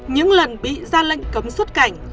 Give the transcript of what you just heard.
những lần bị gian lệnh cấm xuất cảnh